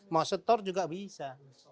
mau setor juga bisa